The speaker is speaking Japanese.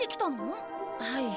はい。